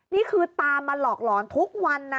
นี่คือตามมาหลอกหลอนทุกวันนะ